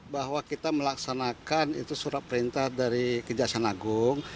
bahwa kita melaksanakan itu surat perintah dari kejaksaan agung